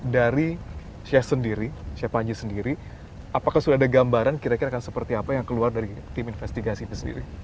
dari syeh sendiri syeh panji sendiri apakah sudah ada gambaran kira kira seperti apa yang keluar dari tim investigasi ini sendiri